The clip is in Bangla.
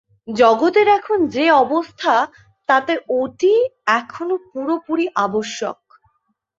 জগতের এখন যে অবস্থা, তাতে ওটি এখনও পুরোপুরি আবশ্যক।